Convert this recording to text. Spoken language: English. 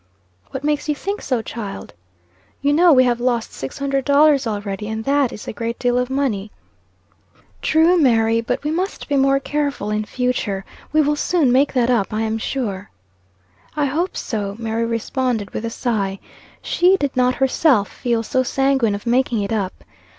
"What makes you think so, child?" "You know we have lost six hundred dollars already, and that is a great deal of money." "True, Mary; but we must be more careful in future. We will soon make that up, I am sure." "I hope so," Mary responded, with a sigh. She did not herself feel so sanguine of making it up.